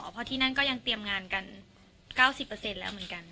เพราะที่นั่นก็ยังเตรียมงานกัน๙๐แล้วเหมือนกัน